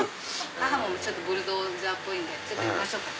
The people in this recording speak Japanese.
母もブルドーザーっぽいんで呼びましょうか。